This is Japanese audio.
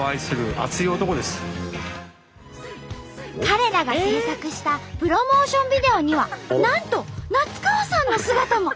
彼らが制作したプロモーションビデオにはなんと夏川さんの姿も！